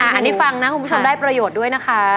อันนี้ฟังนะคุณผู้ชมได้ประโยชน์ด้วยนะคะ